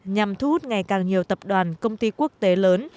nhằm thu hút ngày càng nhiều tập đoàn công ty quốc tế lớn